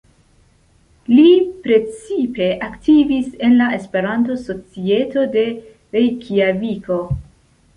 Li precipe aktivis en la Esperanto-societo de Rejkjaviko.